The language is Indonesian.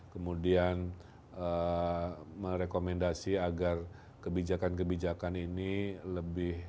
kemudian merekomendasi agar kebijakan kebijakan ini lebih